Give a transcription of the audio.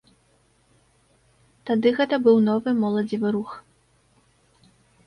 Тады гэта быў новы моладзевы рух.